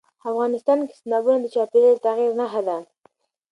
افغانستان کې سیلابونه د چاپېریال د تغیر نښه ده.